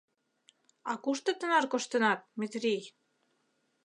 — А кушто тынар коштынат, Метрий?